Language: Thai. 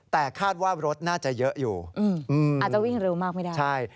แต่คาดว่ารถน่าจะเยอะอยู่อาจจะวิ่งเร็วมากไม่ได้ใช่